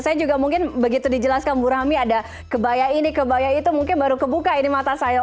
saya juga mungkin begitu dijelaskan bu rami ada kebaya ini kebaya itu mungkin baru kebuka ini mata saya